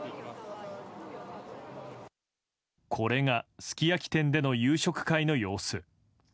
これがすき焼き店での夕食会の様子。